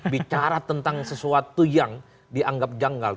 bicara tentang sesuatu yang dianggap janggal